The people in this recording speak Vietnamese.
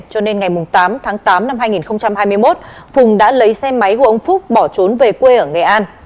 cho nên ngày tám tháng tám năm hai nghìn hai mươi một phùng đã lấy xe máy của ông phúc bỏ trốn về quê ở nghệ an